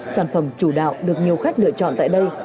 sản phẩm chủ đạo được nhiều khách lựa chọn tại đây